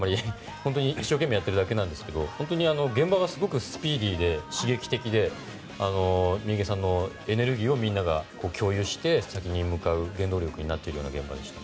本当に一生懸命やっているだけなんですけど本当に現場がすごくスピーディーで刺激的で三池さんのエネルギーをみんなが共有して作品に向かう原動力になっているような現場でした。